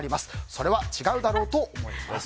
それは違うだろうと思います。